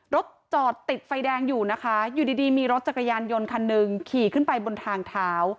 รถจอดติดไฟแดงอยู่นะคะอยู่ดีมีรถจักรยานยนต์คันหนึ่งขี่ขึ้นไปบนทางเท้า